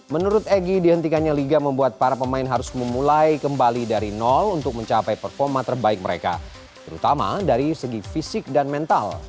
menurut egy dihentikannya liga membuat para pemain harus memulai kembali dari nol untuk mencapai performa terbaik mereka terutama dari segi fisik dan mental